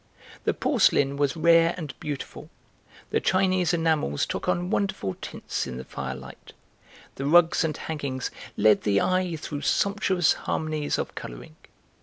The porcelain was rare and beautiful, the Chinese enamels took on wonderful tints in the firelight, the rugs and hangings led the eye through sumptuous harmonies of colouring.